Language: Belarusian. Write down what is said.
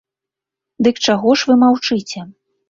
Дык чаго ж вы маўчыце?